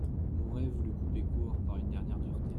Mouret voulut couper court, par une dernière dureté.